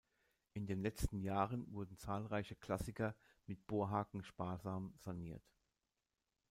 In den letzten Jahren wurden zahlreiche Klassiker mit Bohrhaken sparsam saniert.